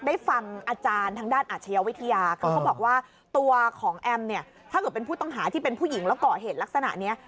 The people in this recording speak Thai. ได้ฟังอาจารย์ทางด้านอาชญาวิทยาคือเขาบอกว่าตัวของแอมเนี่ยถ้าเกิดเป็นผู้ต้องหาที่เป็นผู้หญิงแล้วก่อเหตุลักษณะนี้